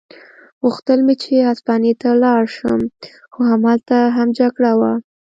غوښتل مې چې هسپانیې ته ولاړ شم، خو همالته هم جګړه وه.